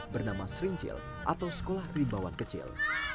bernama serincil atau sekolah rimbawan kecil